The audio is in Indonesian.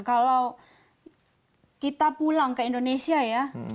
kalau kita pulang ke indonesia ya